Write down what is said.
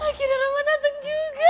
akhirnya roman datang juga